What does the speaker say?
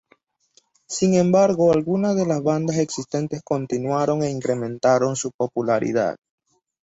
Sin embargo, algunas de las bandas existentes continuaron e incrementaron su popularidad.